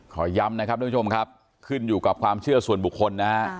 ขอย้ำนะครับทุกผู้ชมครับขึ้นอยู่กับความเชื่อส่วนบุคคลนะฮะ